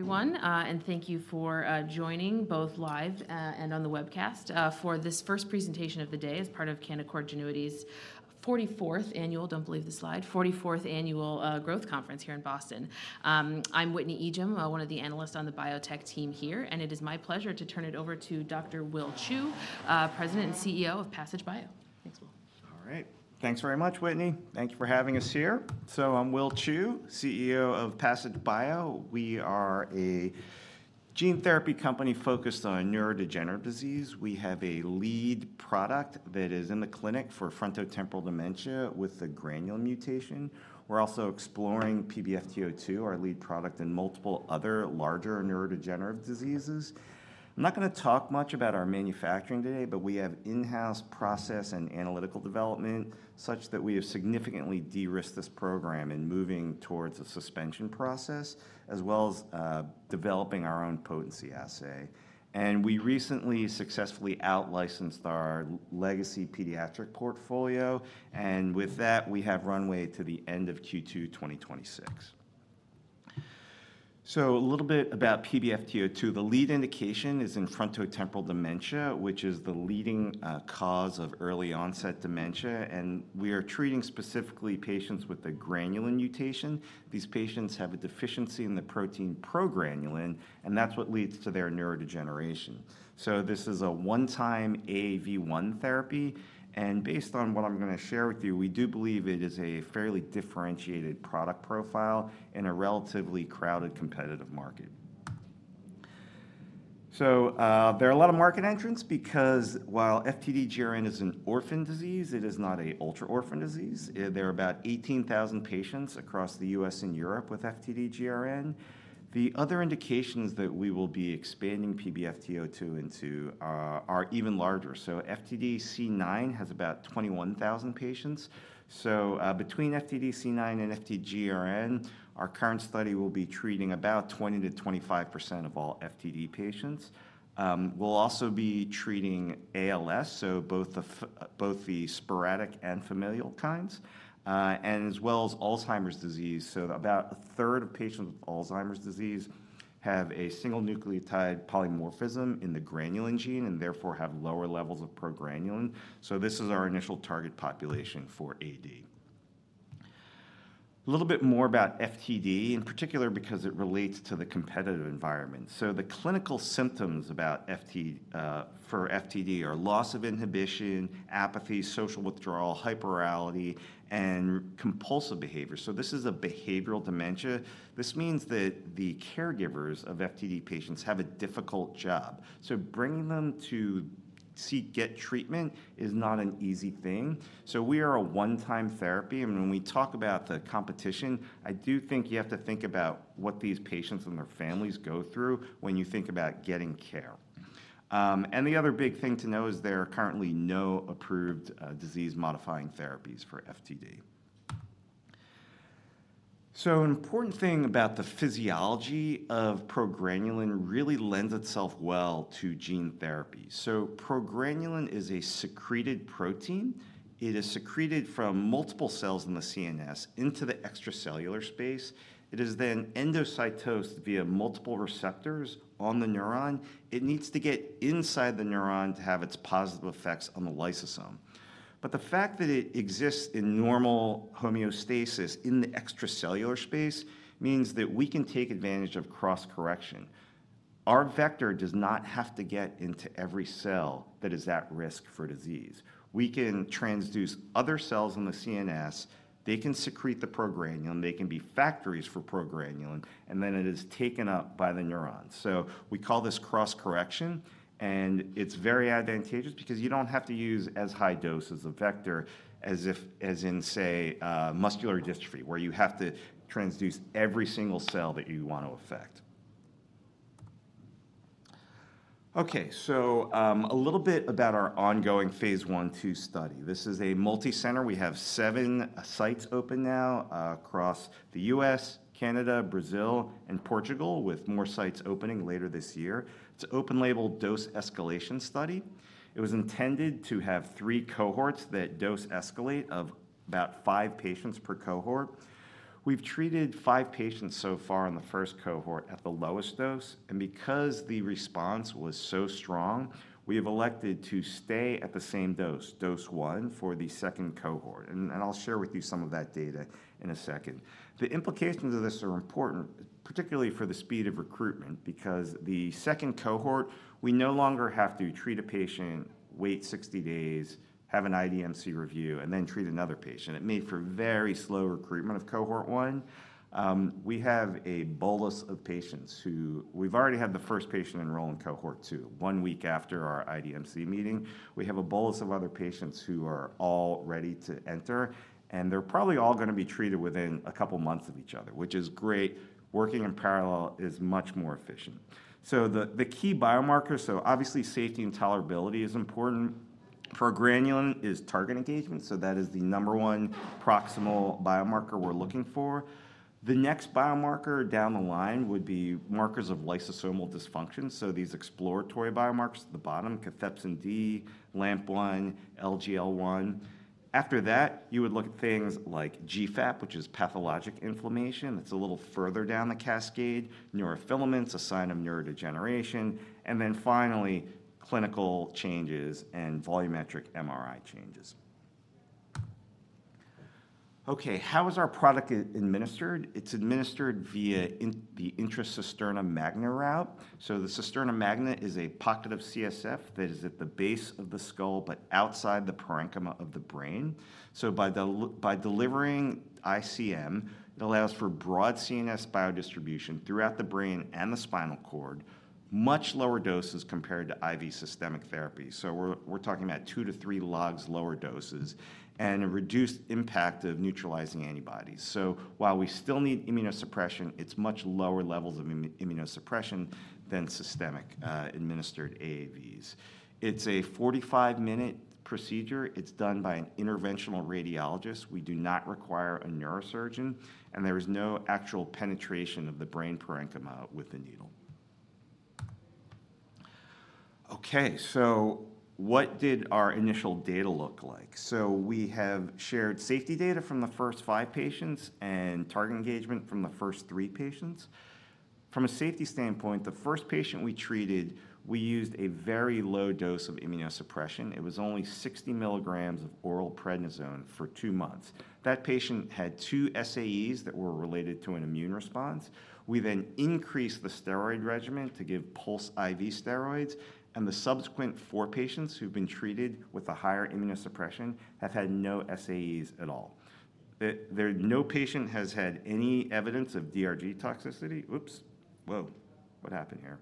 Everyone, and thank you for joining both live and on the webcast for this first presentation of the day as part of Canaccord Genuity's 44th Annual, don't believe the slide, 44th Annual Growth Conference here in Boston. I'm Whitney Ijem, one of the analysts on the biotech team here, and it is my pleasure to turn it over to Dr. Will Chou, President and CEO of Passage Bio. Thanks, Will. All right. Thanks very much, Whitney. Thank you for having us here. So I'm Will Chou, CEO of Passage Bio. We are a gene therapy company focused on neurodegenerative disease. We have a lead product that is in the clinic for frontotemporal dementia with the granulin mutation. We're also exploring PBFT02, our lead product, in multiple other larger neurodegenerative diseases. I'm not gonna talk much about our manufacturing today, but we have in-house process and analytical development, such that we have significantly de-risked this program in moving towards a suspension process, as well as developing our own potency assay. And we recently successfully out-licensed our legacy pediatric portfolio, and with that, we have runway to the end of Q2 2026. So a little bit about PBFT02. The lead indication is in frontotemporal dementia, which is the leading cause of early-onset dementia, and we are treating specifically patients with a granulin mutation. These patients have a deficiency in the protein progranulin, and that's what leads to their neurodegeneration. So this is a one-time AAV1 therapy, and based on what I'm gonna share with you, we do believe it is a fairly differentiated product profile in a relatively crowded, competitive market. So, there are a lot of market entrants because, while FTD-GRN is an orphan disease, it is not a ultra-orphan disease. There are about 18,000 patients across the U.S. and Europe with FTD-GRN. The other indications that we will be expanding PBFT02 into, are even larger. So FTD-C9 has about 21,000 patients. So, between FTD-C9 and FTD-GRN, our current study will be treating about 20%-25% of all FTD patients. We'll also be treating ALS, so both the sporadic and familial kinds, and as well as Alzheimer's disease. So about a third of patients with Alzheimer's disease have a single nucleotide polymorphism in the granulin gene and therefore have lower levels of progranulin, so this is our initial target population for AD. A little bit more about FTD, in particular because it relates to the competitive environment. So the clinical symptoms about FTD are loss of inhibition, apathy, social withdrawal, hyperorality, and compulsive behavior, so this is a behavioral dementia. This means that the caregivers of FTD patients have a difficult job, so bringing them to get treatment is not an easy thing. We are a one-time therapy, and when we talk about the competition, I do think you have to think about what these patients and their families go through when you think about getting care. The other big thing to know is there are currently no approved disease-modifying therapies for FTD. An important thing about the physiology of progranulin really lends itself well to gene therapy. Progranulin is a secreted protein. It is secreted from multiple cells in the CNS into the extracellular space. It is then endocytosed via multiple receptors on the neuron. It needs to get inside the neuron to have its positive effects on the lysosome. But the fact that it exists in normal homeostasis in the extracellular space means that we can take advantage of cross-correction. Our vector does not have to get into every cell that is at risk for disease. We can transduce other cells in the CNS, they can secrete the progranulin, they can be factories for progranulin, and then it is taken up by the neurons. So we call this cross-correction, and it's very advantageous because you don't have to use as high doses of vector as if, as in, say, muscular dystrophy, where you have to transduce every single cell that you want to affect. Okay, so, a little bit about our ongoing phase I/II study. This is a multicenter. We have seven sites open now across the U.S., Canada, Brazil, and Portugal, with more sites opening later this year. It's an open-label dose escalation study. It was intended to have three cohorts that dose escalate of about five patients per cohort. We've treated five patients so far in the first cohort at the lowest dose, and because the response was so strong, we have elected to stay at the same dose, dose one, for the second cohort, and I'll share with you some of that data in a second. The implications of this are important, particularly for the speed of recruitment, because the second cohort, we no longer have to treat a patient, wait 60 days, have an IDMC review, and then treat another patient. It made for very slow recruitment of cohort one. We have a bolus of patients who... We've already had the first patient enroll in cohort two, one week after our IDMC meeting. We have a bolus of other patients who are all ready to enter, and they're probably all gonna be treated within a couple of months of each other, which is great. Working in parallel is much more efficient. So the key biomarkers, so obviously, safety and tolerability is important for progranulin is target engagement, so that is the number one proximal biomarker we're looking for. The next biomarker down the line would be markers of lysosomal dysfunction, so these exploratory biomarkers at the bottom, cathepsin D, LAMP1, LGL1. After that, you would look at things like GFAP, which is pathologic inflammation. It's a little further down the cascade. Neurofilaments, a sign of neurodegeneration, and then finally, clinical changes and volumetric MRI changes. Okay, how is our product administered? It's administered via the intracisternal magna route. So the cisterna magna is a pocket of CSF that is at the base of the skull, but outside the parenchyma of the brain. So by delivering ICM, it allows for broad CNS biodistribution throughout the brain and the spinal cord, much lower doses compared to IV systemic therapy. So we're talking about two to three logs lower doses, and a reduced impact of neutralizing antibodies. So while we still need immunosuppression, it's much lower levels of immunosuppression than systemic administered AAVs. It's a 45-minute procedure. It's done by an interventional radiologist. We do not require a neurosurgeon, and there is no actual penetration of the brain parenchyma with the needle. Okay, so what did our initial data look like? So we have shared safety data from the first five patients and target engagement from the first three patients. From a safety standpoint, the first patient we treated, we used a very low dose of immunosuppression. It was only 60 mg of oral prednisone for two months. That patient had two SAEs that were related to an immune response. We then increased the steroid regimen to give pulse IV steroids, and the subsequent four patients who've been treated with a higher immunosuppression have had no SAEs at all. No patient has had any evidence of DRG toxicity. Oops! Whoa, what happened here?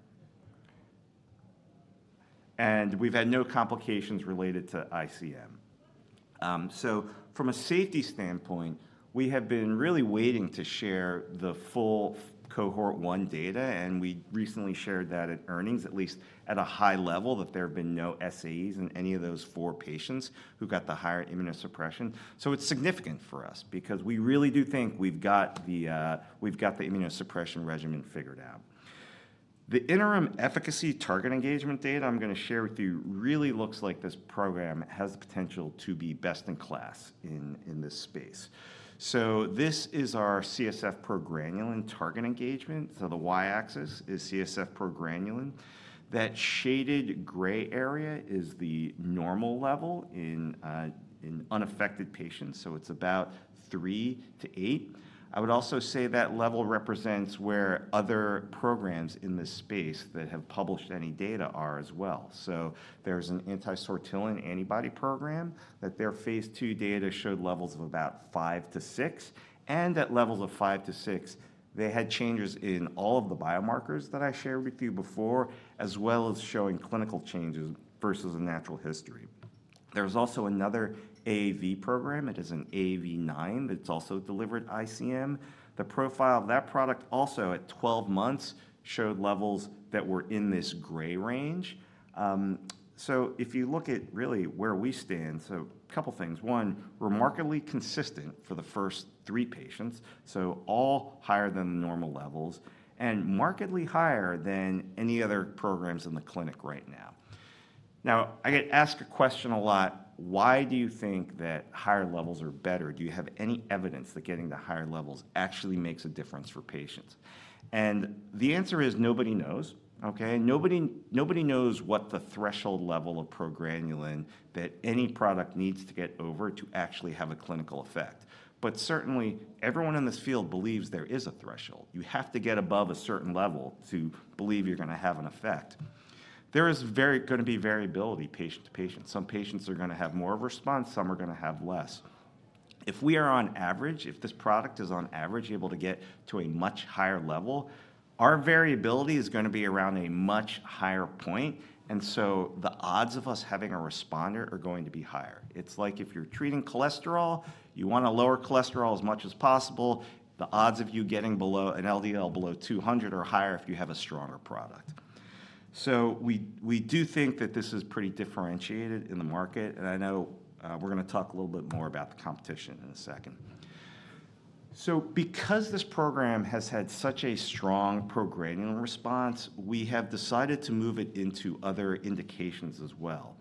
And we've had no complications related to ICM. So from a safety standpoint, we have been really waiting to share the full cohort one data, and we recently shared that at earnings, at least at a high level, that there have been no SAEs in any of those four patients who got the higher immunosuppression. So it's significant for us because we really do think we've got the, we've got the immunosuppression regimen figured out. The interim efficacy target engagement data I'm gonna share with you really looks like this program has the potential to be best in class in, in this space. So this is our CSF progranulin target engagement. So the y-axis is CSF progranulin. That shaded gray area is the normal level in, in unaffected patients, so it's about three to eight. I would also say that level represents where other programs in this space that have published any data are as well. So there's an anti-sortilin antibody program, that their phase II data showed levels of about five to six, and at levels of five to six, they had changes in all of the biomarkers that I shared with you before, as well as showing clinical changes versus a natural history. There was also another AAV program. It is an AAV9 that's also delivered ICM. The profile of that product also at 12 months, showed levels that were in this gray range. So if you look at really where we stand, so a couple of things: one, remarkably consistent for the first three patients, so all higher than the normal levels and markedly higher than any other programs in the clinic right now. Now, I get asked a question a lot: "Why do you think that higher levels are better? Do you have any evidence that getting to higher levels actually makes a difference for patients?" And the answer is, nobody knows. Okay? Nobody, nobody knows what the threshold level of progranulin that any product needs to get over to actually have a clinical effect. But certainly, everyone in this field believes there is a threshold. You have to get above a certain level to believe you're gonna have an effect. There is gonna be variability patient to patient. Some patients are gonna have more of a response, some are gonna have less. If we are on average, if this product is on average, able to get to a much higher level, our variability is gonna be around a much higher point, and so the odds of us having a responder are going to be higher. It's like if you're treating cholesterol, you wanna lower cholesterol as much as possible. The odds of you getting below an LDL below 200 are higher if you have a stronger product. So we, we do think that this is pretty differentiated in the market, and I know, we're gonna talk a little bit more about the competition in a second. So because this program has had such a strong progranulin response, we have decided to move it into other indications as well.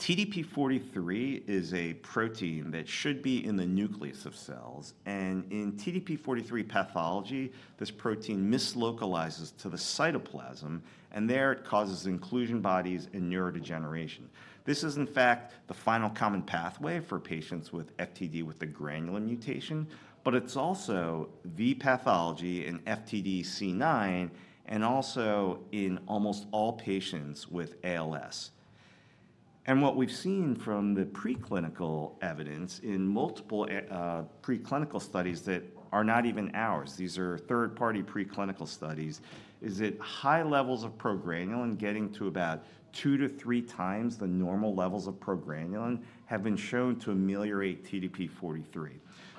So TDP-43 is a protein that should be in the nucleus of cells, and in TDP-43 pathology, this protein mislocalizes to the cytoplasm, and there it causes inclusion bodies and neurodegeneration. This is, in fact, the final common pathway for patients with FTD, with a granulin mutation, but it's also the pathology in FTD-C9 and also in almost all patients with ALS.... And what we've seen from the preclinical evidence in multiple, preclinical studies that are not even ours, these are third-party preclinical studies, is that high levels of progranulin, getting to about two to three times the normal levels of progranulin, have been shown to ameliorate TDP-43.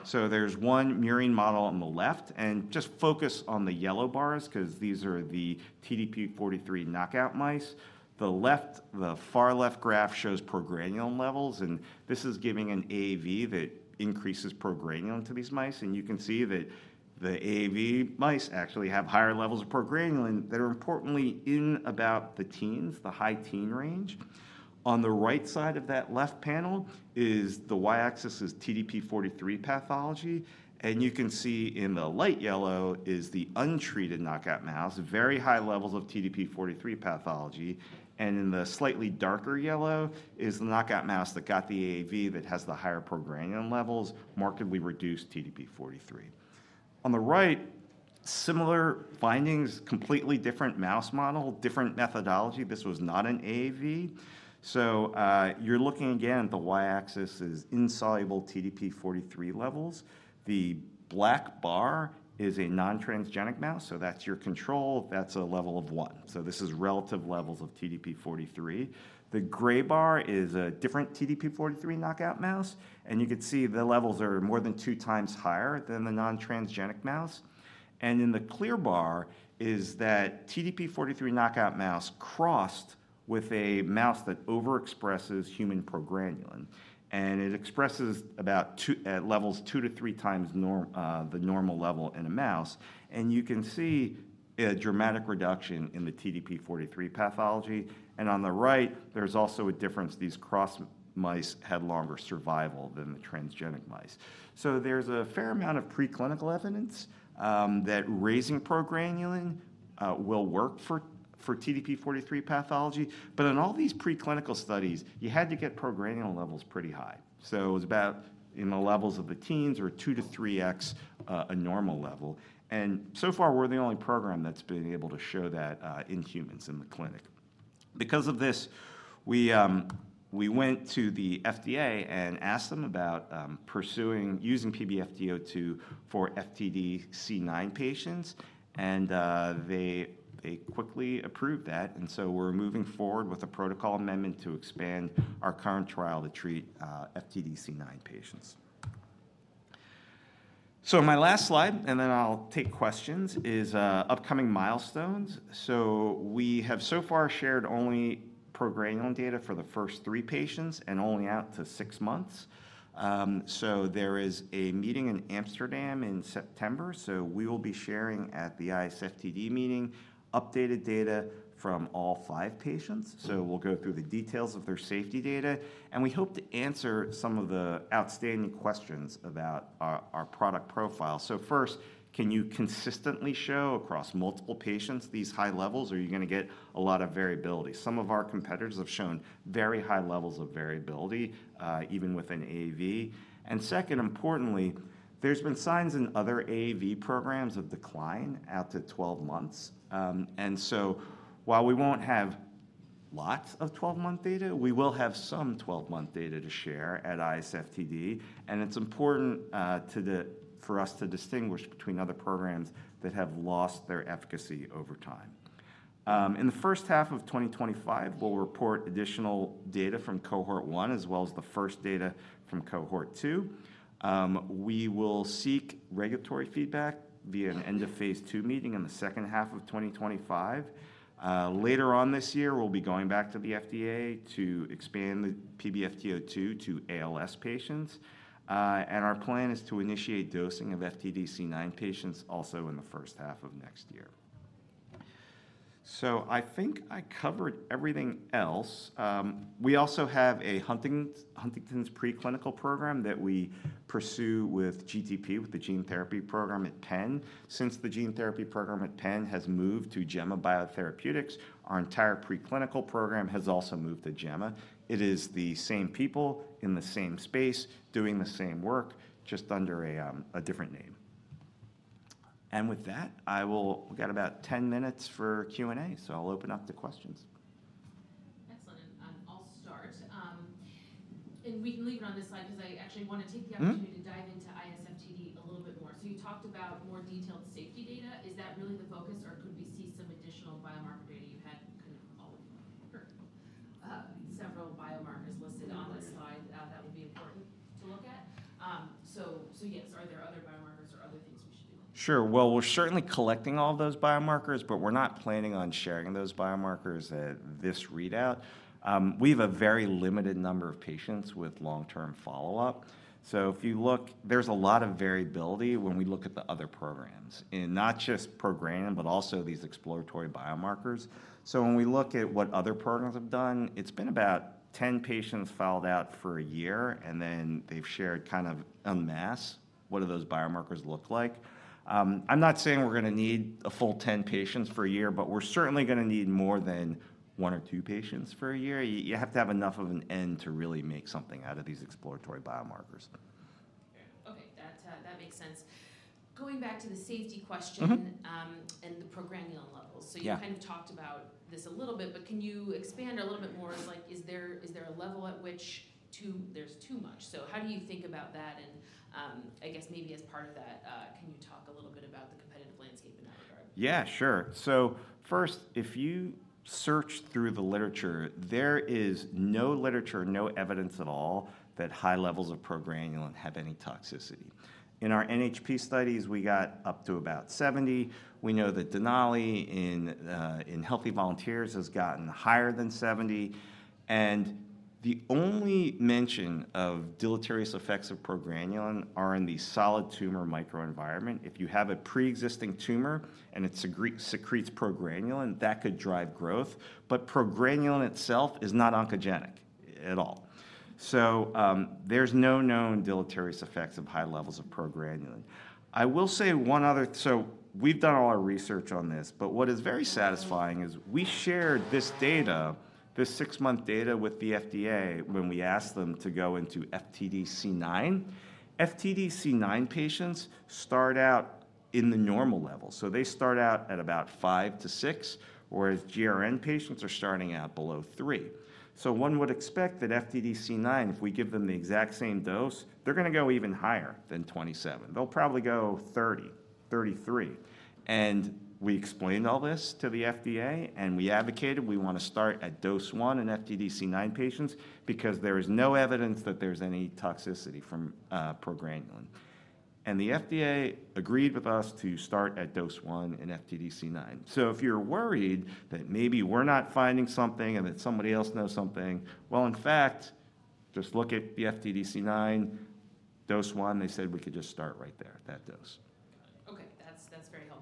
So there's one murine model on the left, and just focus on the yellow bars 'cause these are the TDP-43 knockout mice. The left, the far left graph shows progranulin levels, and this is giving an AAV that increases progranulin to these mice. And you can see that the AAV mice actually have higher levels of progranulin that are importantly in about the teens, the high teen range. On the right side of that left panel is the y-axis is TDP-43 pathology, and you can see in the light yellow is the untreated knockout mouse, very high levels of TDP-43 pathology. And in the slightly darker yellow is the knockout mouse that got the AAV, that has the higher progranulin levels, markedly reduced TDP-43. On the right, similar findings, completely different mouse model, different methodology. This was not an AAV. So, you're looking again, the y-axis is insoluble TDP-43 levels. The black bar is a non-transgenic mouse, so that's your control. That's a level of one. So this is relative levels of TDP-43. The gray bar is a different TDP-43 knockout mouse, and you can see the levels are more than two times higher than the non-transgenic mouse. And the clear bar is that TDP-43 knockout mouse crossed with a mouse that overexpresses human progranulin, and it expresses about two to three times normal, the normal level in a mouse. And you can see a dramatic reduction in the TDP-43 pathology. And on the right, there's also a difference. These cross mice had longer survival than the transgenic mice. So there's a fair amount of preclinical evidence that raising progranulin will work for TDP-43 pathology. But in all these preclinical studies, you had to get progranulin levels pretty high. So it was about in the levels of the teens or two to three x a normal level. And so far, we're the only program that's been able to show that in humans in the clinic. Because of this, we, we went to the FDA and asked them about pursuing using PBFT02 for FTD-C9 patients, and they, they quickly approved that. And so we're moving forward with a protocol amendment to expand our current trial to treat FTD-C9 patients. So my last slide, and then I'll take questions, is upcoming milestones. So we have so far shared only progranulin data for the first three patients and only out to six months. So there is a meeting in Amsterdam in September, so we will be sharing at the ISFTD meeting, updated data from all five patients. So we'll go through the details of their safety data, and we hope to answer some of the outstanding questions about our, our product profile. So first, can you consistently show across multiple patients these high levels, or are you gonna get a lot of variability? Some of our competitors have shown very high levels of variability, even with an AAV. And second, importantly, there's been signs in other AAV programs of decline out to 12 months. And so while we won't have lots of 12-month data, we will have some 12-month data to share at ISFTD, and it's important, for us to distinguish between other programs that have lost their efficacy over time. In the first half of 2025, we'll report additional data from cohort one, as well as the first data from cohort two. We will seek regulatory feedback via an end-of-phase two meeting in the second half of 2025. Later on this year, we'll be going back to the FDA to expand the PBFT02 to ALS patients. And our plan is to initiate dosing of FTD-C9 patients also in the first half of next year. So I think I covered everything else. We also have a Huntington, Huntington's preclinical program that we pursue with GTP, with the gene therapy program at Penn. Since the gene therapy program at Penn has moved to Gemma Biotherapeutics, our entire preclinical program has also moved to Gemma. It is the same people, in the same space, doing the same work, just under a different name. And with that, we've got about 10 minutes for Q&A, so I'll open up to questions. Excellent. I'll start. We can leave it on this slide because I actually want to take the opportunity- Mm-hmm. to dive into ISFTD a little bit more. So you talked about more detailed safety data. Is that really the focus, or could we see some additional biomarker data you had? Kind of all, several biomarkers listed on this slide that would be important to look at. So yes, are there other biomarkers or other things we should know? Sure. Well, we're certainly collecting all those biomarkers, but we're not planning on sharing those biomarkers at this readout. We have a very limited number of patients with long-term follow-up. So if you look, there's a lot of variability when we look at the other programs, in not just progranulin, but also these exploratory biomarkers. So when we look at what other programs have done, it's been about 10 patients followed out for a year, and then they've shared kind of en masse, what do those biomarkers look like? I'm not saying we're gonna need a full 10 patients for a year, but we're certainly gonna need more than one or two patients for a year. You have to have enough of an N to really make something out of these exploratory biomarkers. That, that makes sense. Going back to the safety question- Mm-hmm. and the progranulin levels. Yeah. So you kind of talked about this a little bit, but can you expand a little bit more? Like, is there a level at which there's too much? So how do you think about that, and I guess maybe as part of that, can you talk a little bit about the competitive landscape in that regard? Yeah, sure. So first, if you search through the literature, there is no literature, no evidence at all, that high levels of progranulin have any toxicity. In our NHP studies, we got up to about 70. We know that Denali in healthy volunteers has gotten higher than 70, and the only mention of deleterious effects of progranulin are in the solid tumor microenvironment. If you have a pre-existing tumor and it secretes progranulin, that could drive growth, but progranulin itself is not oncogenic at all. So, there's no known deleterious effects of high levels of progranulin. I will say one other. So we've done all our research on this, but what is very satisfying is we shared this data, this six-month data, with the FDA when we asked them to go into FTD-C9. FTD-C9 patients start out in the normal level, so they start out at about five to six, whereas GRN patients are starting out below three. So one would expect that FTD-C9, if we give them the exact same dose, they're gonna go even higher than 27. They'll probably go 30, 33. And we explained all this to the FDA, and we advocated, we wanna start at dose one in FTD-C9 patients because there is no evidence that there's any toxicity from progranulin. And the FDA agreed with us to start at dose one in FTD-C9. So if you're worried that maybe we're not finding something and that somebody else knows something, well, in fact, just look at the FTD-C9, dose one. They said we could just start right there at that dose.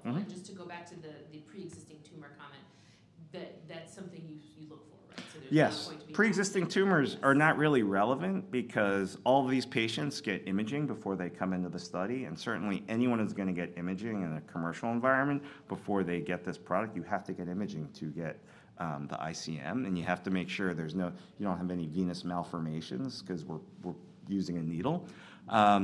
Got it. Okay, that's, that's very helpful. Mm-hmm. And just to go back to the pre-existing tumor comment, that's something you look [audio disctortion]. Yes. Pre-existing tumors are not really relevant because all these patients get imaging before they come into the study, and certainly anyone who's gonna get imaging in a commercial environment before they get this product, you have to get imaging to get the ICM, and you have to make sure there's no—you don't have any venous malformations 'cause we're using a needle.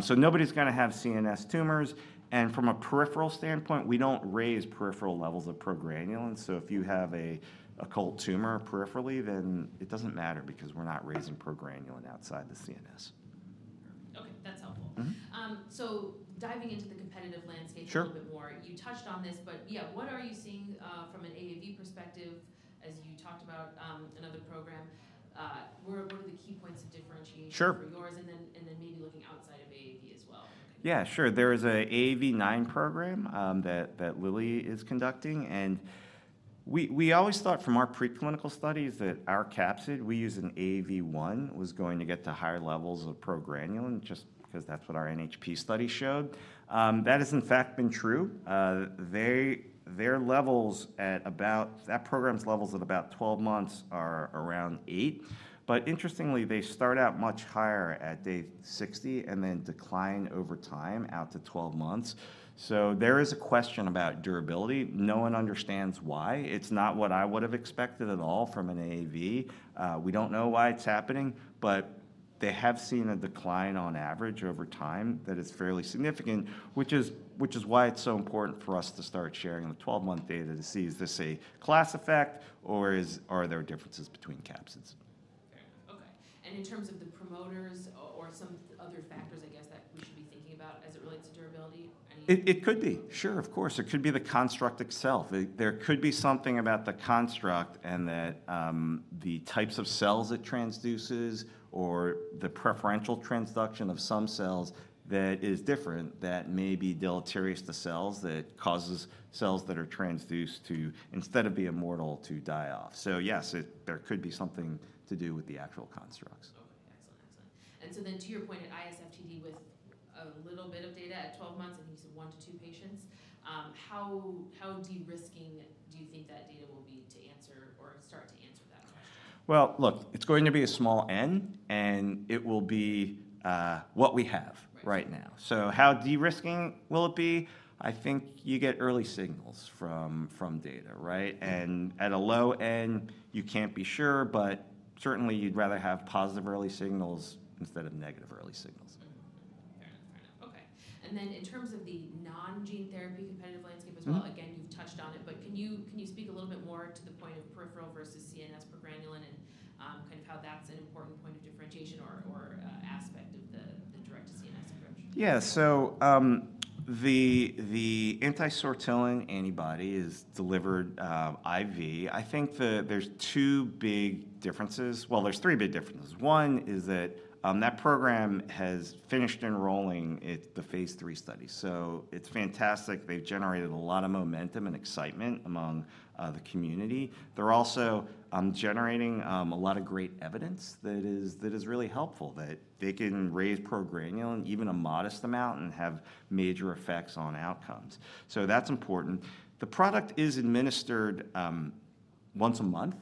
So nobody's gonna have CNS tumors, and from a peripheral standpoint, we don't raise peripheral levels of progranulin, so if you have an occult tumor peripherally, then it doesn't matter because we're not raising progranulin outside the CNS. Okay, that's helpful. Mm-hmm. Diving into the competitive landscape- Sure.... a little bit more, you touched on this, but yeah, what are you seeing from an AAV perspective, as you talked about another program? What are the key points of differentiation- Sure. from yours, and then, and then maybe looking outside of AAV as well? Yeah, sure. There is a AAV9 program that Lilly is conducting, and we always thought from our preclinical studies that our capsid, we use an AAV1, was going to get to higher levels of progranulin just because that's what our NHP study showed. That has in fact been true. Their levels at about 12 months are around eigh, but interestingly, they start out much higher at day 60 and then decline over time out to 12 months. So there is a question about durability. No one understands why. It's not what I would have expected at all from an AAV. We don't know why it's happening, but they have seen a decline on average over time that is fairly significant, which is why it's so important for us to start sharing the 12-month data to see, is this a class effect or is or are there differences between capsids? Fair enough. Okay. And in terms of the promoters or some other factors, I guess, that we should be thinking about as it relates to durability, any- It could be. Sure, of course, it could be the construct itself. There could be something about the construct and that, the types of cells it transduces or the preferential transduction of some cells that is different, that may be deleterious to cells, that causes cells that are transduced to, instead of be immortal, to die off. So yes, there could be something to do with the actual constructs. Okay, excellent. Excellent. And so then to your point, at ISFTD with a little bit of data at 12 months, I think you said one to two patients, how, how de-risking do you think that data will be to answer or start to answer that question? Well, look, it's going to be a small n, and it will be, what we have- Right.... right now. So how de-risking will it be? I think you get early signals from, from data, right? And at a low end, you can't be sure, but certainly you'd rather have positive early signals instead of negative early signals. Mm-hmm. Fair enough. Fair enough. Okay, and then in terms of the non-gene therapy competitive landscape as well- Mm-hmm. Again, you've touched on it, but can you speak a little bit more to the point of peripheral versus CNS progranulin and kind of how that's an important point of differentiation or aspect of the direct to CNS approach? Yeah, so, the anti-sortilin antibody is delivered IV. I think that there's two big differences. Well, there's three big differences. One is that that program has finished enrolling it, the phase III study. So it's fantastic. They've generated a lot of momentum and excitement among the community. They're also generating a lot of great evidence that is really helpful that they can raise progranulin, even a modest amount, and have major effects on outcomes. So that's important. The product is administered once a month,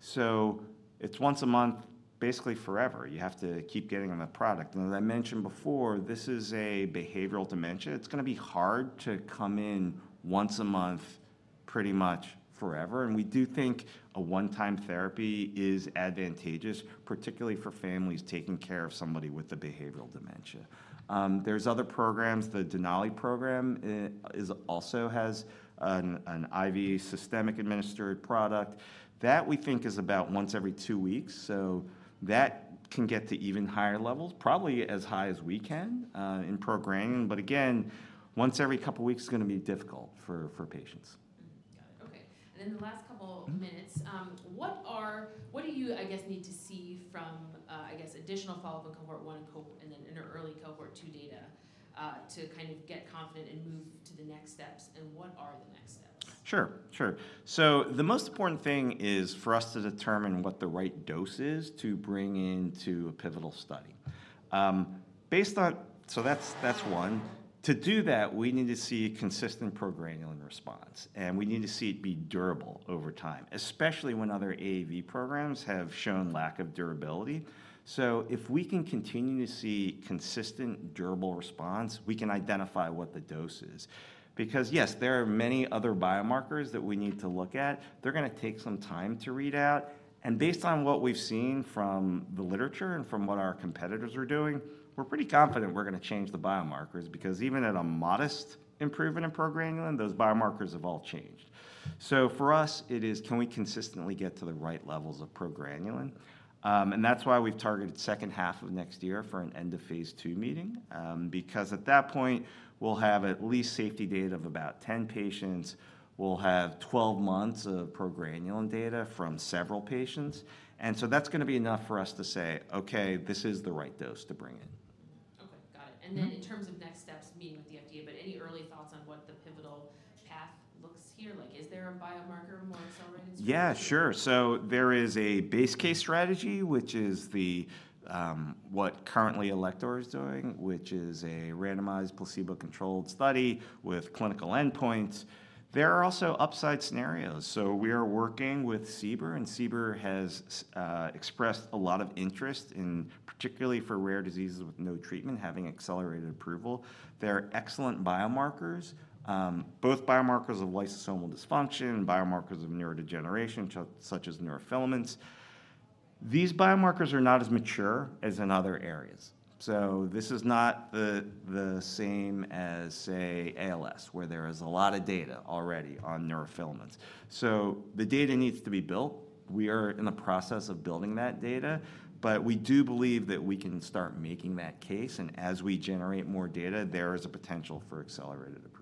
so it's once a month, basically forever. You have to keep getting on the product. And as I mentioned before, this is a behavioral dementia. It's gonna be hard to come in once a month-... pretty much forever, and we do think a one-time therapy is advantageous, particularly for families taking care of somebody with a behavioral dementia. There's other programs. The Denali program also has an IV systemically administered product. That we think is about once every two weeks, so that can get to even higher levels, probably as high as we can in progranulin. But again, once every couple weeks is gonna be difficult for patients. Mm-hmm. Got it. Okay. And in the last couple- Mm-hmm. -minutes, what do you, I guess, need to see from, I guess, additional follow-up in cohort one and then in early cohort two data, to kind of get confident and move to the next steps? And what are the next steps? Sure, sure. So the most important thing is for us to determine what the right dose is to bring into a pivotal study. So that's one. To do that, we need to see consistent Progranulin response, and we need to see it be durable over time, especially when other AAV programs have shown lack of durability. So if we can continue to see consistent, durable response, we can identify what the dose is. Because, yes, there are many other biomarkers that we need to look at. They're gonna take some time to read out, and based on what we've seen from the literature and from what our competitors are doing, we're pretty confident we're gonna change the biomarkers. Because even at a modest improvement in progranulin, those biomarkers have all changed. So for us, it is, can we consistently get to the right levels of progranulin? That's why we've targeted second half of next year for an end of phase II meeting. Because at that point, we'll have at least safety data of about 10 patients. We'll have 12 months of progranulin data from several patients, and so that's gonna be enough for us to say, "Okay, this is the right dose to bring in." Mm-hmm. Okay, got it. Mm-hmm. And then, in terms of next steps, meeting with the FDA, but any early thoughts on what the pivotal path looks here? Like, is there a biomarker more so registered? Yeah, sure. So there is a base case strategy, which is the what currently Alector is doing, which is a randomized placebo-controlled study with clinical endpoints. There are also upside scenarios, so we are working with CBER, and CBER has expressed a lot of interest in, particularly for rare diseases with no treatment, having accelerated approval. There are excellent biomarkers, both biomarkers of lysosomal dysfunction, biomarkers of neurodegeneration, such as neurofilaments. These biomarkers are not as mature as in other areas. So this is not the same as, say, ALS, where there is a lot of data already on neurofilaments. So the data needs to be built. We are in the process of building that data, but we do believe that we can start making that case, and as we generate more data, there is a potential for accelerated approval.